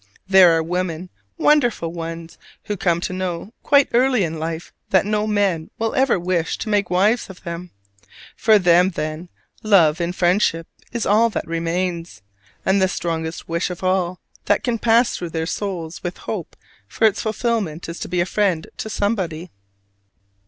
There are women, wonderful ones, who come to know quite early in life that no men will ever wish to make wives of them: for them, then, love in friendship is all that remains, and the strongest wish of all that can pass through their souls with hope for its fulfillment is to be a friend to somebody.